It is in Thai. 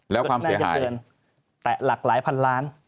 แล้วความเสียหายแต่หลากหลายพันล้าน